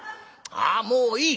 ああもういい。